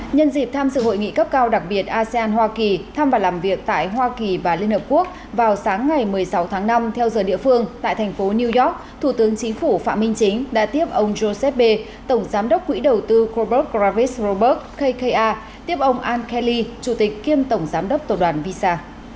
nhân dịp tham dự hội nghị cấp cao đặc biệt asean hoa kỳ thăm và làm việc tại hoa kỳ và liên hợp quốc vào sáng ngày một mươi sáu tháng năm theo giờ địa phương tại thành phố new york thủ tướng chính phủ phạm minh chính đã tiếp ông joseppee tổng giám đốc quỹ đầu tư coberg ravis roberg kya tiếp ông an kelly chủ tịch kiêm tổng giám đốc tổ đoàn visa